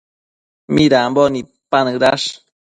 Midambo nidpanëdash?